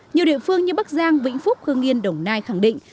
nhiều địa phương như bắc giang vĩnh phúc hương yên đồng nai khẳng định